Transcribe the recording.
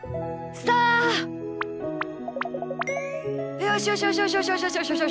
よしよしよしよしよし。